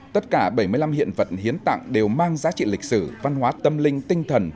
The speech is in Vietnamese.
tất cả bảy mươi năm hiện vật hiến tặng đều mang giá trị lịch sử văn hóa tâm linh tinh thần